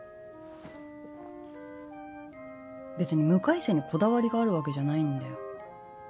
別に向井姓にこだわりがあるわけじゃないんだよ。